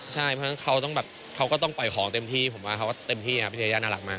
ใช่เพราะฉะนั้นเขาก็ต้องปล่อยของเต็มที่ผมว่าเขาก็ต้องเต็มที่นะครับพี่เทย่าน่ารักมาก